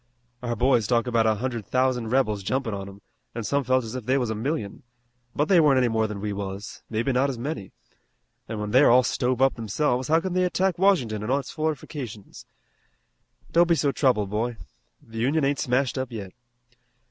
Our boys talk about a hundred thousand rebels jumpin' on 'em, an' some felt as if they was a million, but they weren't any more than we was, maybe not as many, an' when they are all stove up themselves how can they attack Washington in its fortifications! Don't be so troubled, boy. The Union ain't smashed up yet.